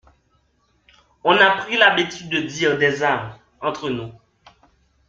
On a pris l’habitude de dire des âmes, entre nous.